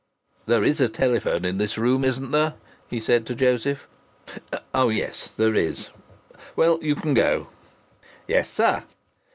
"There is a telephone in this room, isn't there?" he said to Joseph. "Oh, yes, there it is! Well, you can go." "Yes, sir."